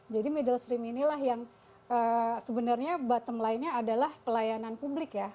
jadi middle stream inilah yang sebenarnya bottom line nya adalah pelayanan publik ya